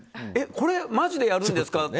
これマジでやるんですか？